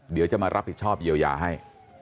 เดี๋ยวจะมารับผิดชอบเยียวยาให้